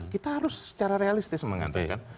kita harus secara realistis mengatakan